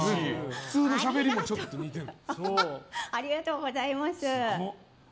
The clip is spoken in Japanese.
普通のしゃべりもちょっと似てる。